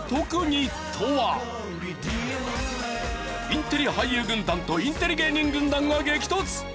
インテリ俳優軍団とインテリ芸人軍団が激突！